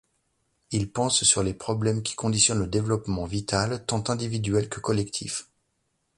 Il pense sur les problèmes qui conditionnent le développement vital, tant individuel que collectif.